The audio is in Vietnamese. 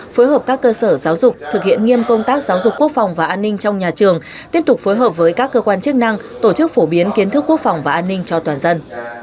phối hợp các cơ sở giáo dục thực hiện nghiêm công tác giáo dục quốc phòng và an ninh trong nhà trường tiếp tục phối hợp với các cơ quan chức năng tổ chức phổ biến kiến thức quốc phòng và an ninh cho toàn dân